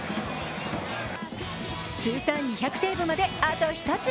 通算２００セーブまであと一つ。